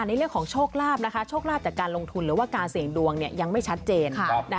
ในเรื่องของโชคลาภนะคะโชคลาภจากการลงทุนหรือว่าการเสี่ยงดวงยังไม่ชัดเจน